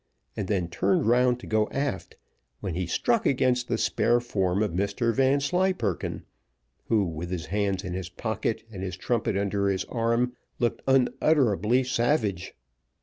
and then turned round to go aft, when he struck against the spare form of Mr Vanslyperken, who, with his hands in his pocket, and his trumpet under his arm, looked unutterably savage.